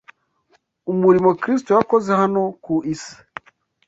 Umurimo Kristo yakoze hano ku isi